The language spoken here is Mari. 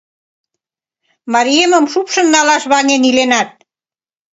Мариемым шупшын налаш ваҥен иленат...